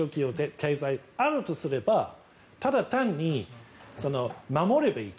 あるとすればただ単に守ればいいと。